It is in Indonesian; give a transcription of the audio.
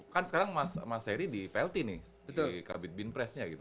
kan sekarang mas heri di plt nih di kabinet binpres nya gitu